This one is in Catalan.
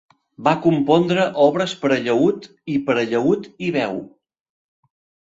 Va compondre obres per a llaüt i per a llaüt i veu.